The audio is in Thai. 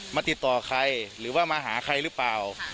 มาติดต่อใครหรือว่ามาหาใครหรือเปล่า